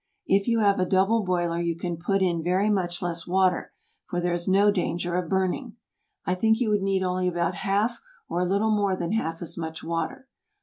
If you have a double boiler you can put in very much less water, for there is no danger of burning. I think you would need only about half or a little more than half as much water.